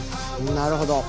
なるほど。